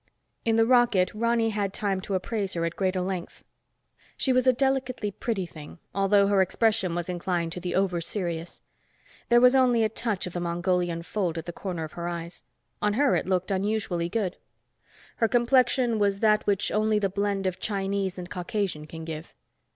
In the rocket, Ronny had time to appraise her at greater length. She was a delicately pretty thing, although her expression was inclined to the over serious. There was only a touch of the Mongolian fold at the corner of her eyes. On her it looked unusually good. Her complexion was that which only the blend of Chinese and Caucasian can give.